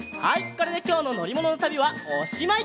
これできょうののりもののたびはおしまい。